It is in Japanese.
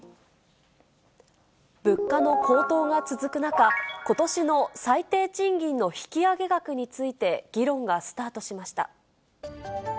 物価の高騰が続く中、ことしの最低賃金の引き上げ額について議論がスタートしました。